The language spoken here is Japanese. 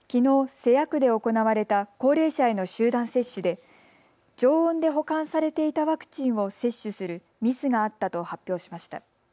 瀬谷区で行われた高齢者への集団接種で常温で保管されていたワクチンを接種するミスがあったと発表しました。